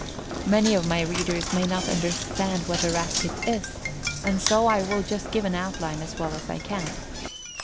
Many of my readers may not understand what a Rat pit is, and so I will just give an outline as well as I can.